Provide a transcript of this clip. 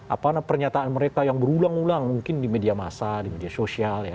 apa pernyataan mereka yang berulang ulang mungkin di media masa di media sosial ya